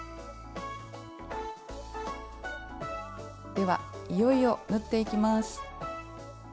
ではいよいよ縫っていきます。